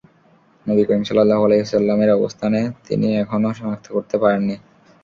নবী করীম সাল্লাল্লাহু আলাইহি ওয়াসাল্লাম-এর অবস্থান তিনি এখনও শনাক্ত করতে পারেননি।